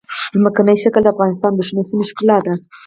ځمکنی شکل د افغانستان د شنو سیمو ښکلا ده.